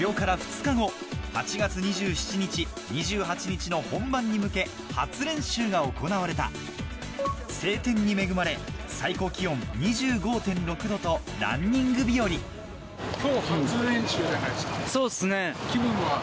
８月２７日２８日の本番に向け初練習が行われた晴天に恵まれランニング日和そうっすね。